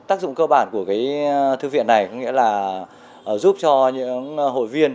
tác dụng cơ bản của cái thư viện này có nghĩa là giúp cho những hội viên